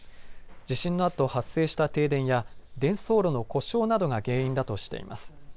地震のあと発生した停電や伝送路の故障などが原因だとしています。